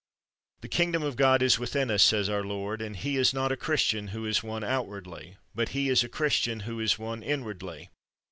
'' The kingdom of God is within us, '' says our Lord ! and, '' he is not a Christian who is one outwardly; but he is a Christian who is one inwardly."